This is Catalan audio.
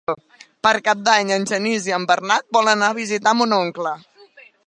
Per Cap d'Any en Genís i en Bernat volen anar a visitar mon oncle.